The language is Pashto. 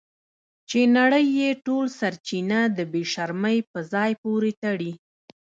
چې نړۍ یې ټول سرچینه د بې شرمۍ په ځای پورې تړي.